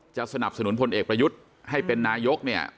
จะสนับสนุนพลเอกประยุทธ์ให้เป็นนายก